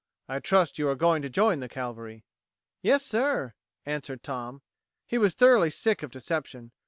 I trust you are going to join the cavalry." "Yes, sir," answered Tom. He was thoroughly sick of deception.